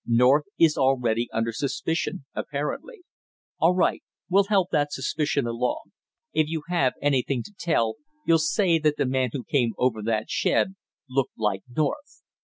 North is already under suspicion apparently. All right, we'll help that suspicion along. If you have anything to tell, you'll say that the man who came over that shed looked like North!"